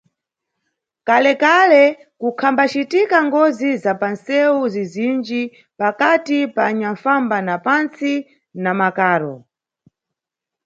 Kalekale kukhambacitika ngozi za panʼsewu zizinji pakati pa anyanʼfamba na pantsi na makaro.